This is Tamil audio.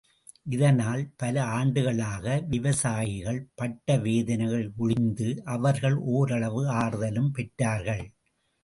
இதனால், பல ஆண்டுகளாக விவசாயிகள் பட்ட வேதனைகள் ஒழிந்து அவர்கள் ஓரளவு ஆறுதலும் பெற்றார்கள்.